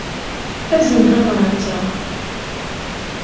Azen tabṛat-a.